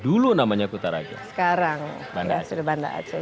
dulu namanya kutaraja sekarang banda aceh